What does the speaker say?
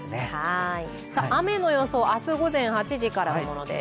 雨の予想、明日午前８時からのものです。